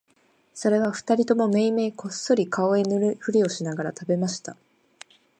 それは二人ともめいめいこっそり顔へ塗るふりをしながら喰べました